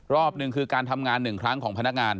รอบหนึ่งคือการทำงาน๑ครั้งของพนักงาน